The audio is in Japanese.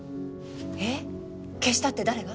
えっ消したって誰が？